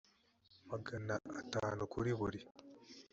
magana atanu kuri buri